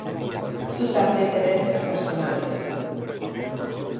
Sus antecedentes personales.